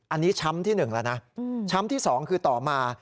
อันนี้ช้ำที่๑แล้วนะช้ำที่๒คือต่อมา